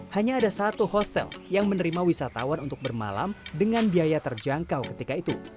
hanya ada satu hotel yang menerima wisatawan untuk bermalam dengan biaya terjangkau ketika itu